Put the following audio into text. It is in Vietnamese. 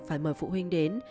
phải mời phụ huynh đến